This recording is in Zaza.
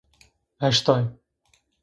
Heştay